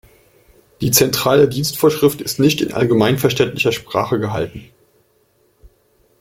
Die Zentrale Dienstvorschrift ist nicht in allgemeinverständlicher Sprache gehalten.